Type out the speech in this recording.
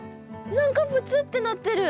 何かぷつってなってる。